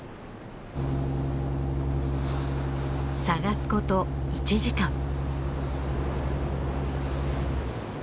探すこと１時間。